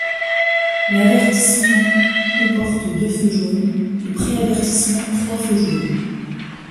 L'avertissement comporte deux feux jaunes, le préavertissement trois feux jaunes.